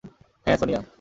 হ্যাঁ, সোনিয়া।